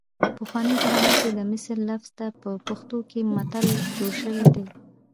پخوانۍ زمانه کې د مثل لفظ نه په پښتو کې متل جوړ شوی دی